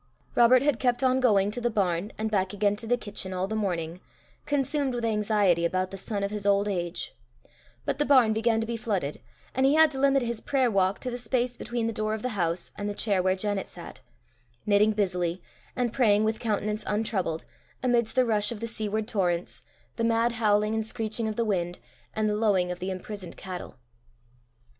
Robert had kept on going to the barn, and back again to the kitchen, all the morning, consumed with anxiety about the son of his old age; but the barn began to be flooded, and he had to limit his prayer walk to the space between the door of the house and the chair where Janet sat knitting busily, and praying with countenance untroubled, amidst the rush of the seaward torrents, the mad howling and screeching of the wind, and the lowing of the imprisoned cattle.